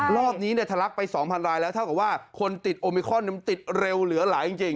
รอบนี้ทะลักไป๒๐๐รายแล้วเท่ากับว่าคนติดโอมิคอนมันติดเร็วเหลือหลายจริง